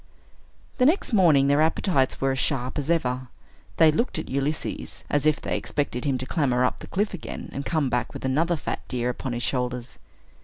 The next morning, their appetites were as sharp as ever. They looked at Ulysses, as if they expected him to clamber up the cliff again, and come back with another fat deer upon his shoulders.